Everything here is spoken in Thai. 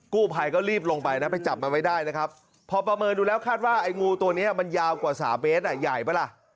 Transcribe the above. กู้ภัยก็รีบลงไปนะไปจับมันไว้ได้นะครับพอประเมินดูแล้วคาดว่าไอ้งูตัวนี้มันยาวกว่า๓เมตรใหญ่ป่ะล่ะ